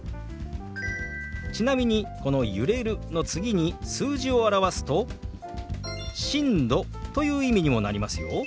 ちなみにこの「揺れる」の次に数字を表すと「震度」という意味にもなりますよ。